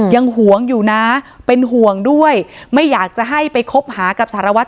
หวงอยู่นะเป็นห่วงด้วยไม่อยากจะให้ไปคบหากับสารวัตร